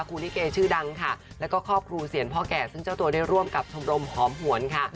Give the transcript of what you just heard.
ลิเกชื่อดังค่ะแล้วก็ครอบครัวเสียรพ่อแก่ซึ่งเจ้าตัวได้ร่วมกับชมรมหอมหวนค่ะ